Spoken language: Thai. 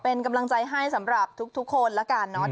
เป็นกำลังใจให้สำหรับทุกคนแล้วกันเนาะ